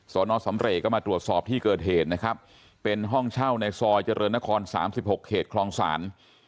สอนอสำเรย์ก็มาตรวจสอบที่เกิดเหตุนะครับเป็นห้องเช่าในซอยเจริญนคร๓๖เขตคลองศาล